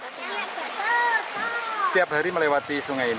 setiap hari melewati sungai ini